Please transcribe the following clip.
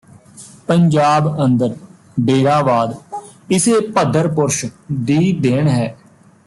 ਪੰਜਾਬ ਅੰਦਰ ਡੇਰਾਵਾਦ ਇਸੇ ਭੱਦਰ ਪੁਰਸ਼ ਦੀ ਦੇਣ ਹੈ